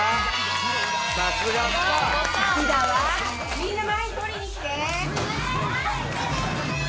みんな前に取りに来て。